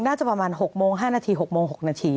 น่าจะประมาณ๖โมง๕นาที๖โมง๖นาที